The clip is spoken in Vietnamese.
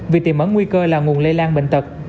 vì tìm ẩn nguy cơ là nguồn lây lan bệnh tật